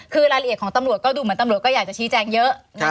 คือรายละเอียดของตำรวจก็ดูเหมือนตำรวจก็อยากจะชี้แจงเยอะ